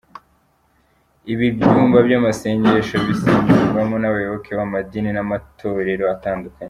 Ibi byumba by’amasengesho bisengerwamo n’abayoboke b’amadini n’amatorero atandukanye.